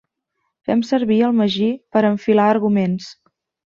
Fem servir el magí per enfilar arguments.